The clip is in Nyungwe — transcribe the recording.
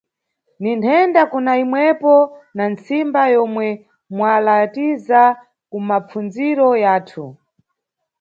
Ninʼtenda kuna imwepo na ntsimba yomwe mwalatiza kumapfundziro yathu.